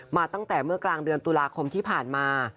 มาตั้งแต่เมื่อกลางเดือนตุลาคมที่ผ่านมา